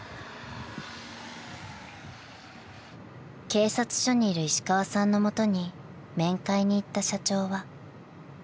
［警察署にいる石川さんの元に面会に行った社長は］